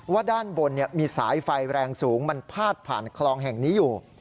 ด้านบนมีสายไฟแรงสูงมันพาดผ่านคลองแห่งนี้อยู่